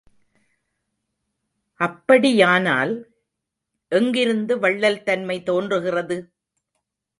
அப்படியானால், எங்கிருந்து வள்ளல் தன்மை தோன்றுகிறது?